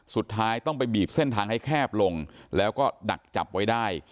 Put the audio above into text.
สุดท้ายต้องไปบีบเส้นทางให้แคบลงแล้วก็ดักจับไว้ได้